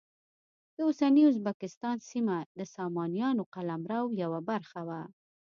د اوسني ازبکستان سیمه د سامانیانو قلمرو یوه برخه وه.